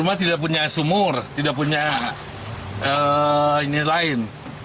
mau ngambil air